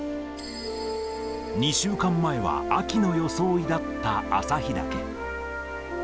２週間前は秋の装いだった旭岳。